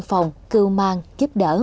hòa hiệp nam